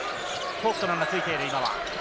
フォウクトマンがついている。